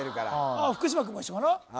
あ福島君も一緒かな